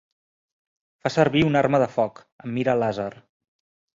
Fa servir una arma de foc, amb mira làser.